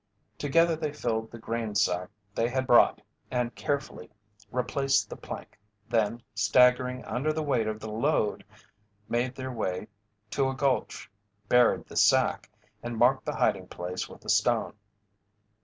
Together they filled the grain sack they had brought and carefully replaced the plank, then, staggering under the weight of the load, made their way to a gulch, buried the sack, and marked the hiding place with a stone.